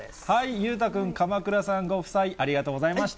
裕太君、鎌倉さんご夫妻、ありがとうございました。